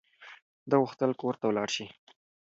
ده غوښتل کور ته ولاړ شي.